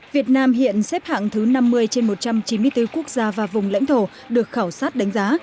việt nam hiện xếp hạng thứ năm mươi trên một trăm chín mươi bốn quốc gia và vùng lãnh thổ được khảo sát đánh giá